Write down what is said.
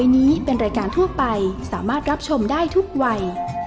นี้เป็นรายการทั่วไปสามารถรับชมได้ทุกวัย